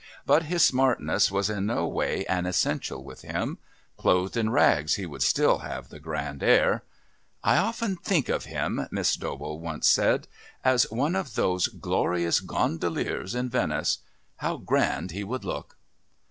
But his smartness was in no way an essential with him. Clothed in rags he would still have the grand air. "I often think of him," Miss Dobell once said, "as one of those glorious gondoliers in Venice. How grand he would look!"